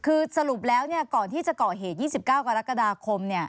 คือสรุปแล้วก่อนที่จะเกาะเหตุ๒๙กรกฎาคม